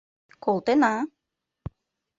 — Колтена!